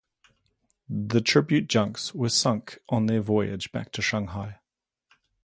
The tribute junks were sunk on their voyage back to Shanghai.